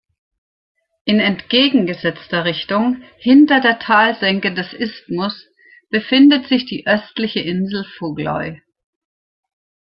In entgegengesetzter Richtung, hinter der Talsenke des Isthmus, befindet sich die östliche Insel Fugloy.